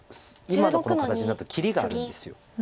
今のこの形だと切りがあるんです。